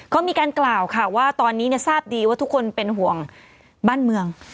ก็มีการกล่าวค่ะว่าตอนนี้ทราบดีว่าทุกคนเป็นห่วงบ้านเมือง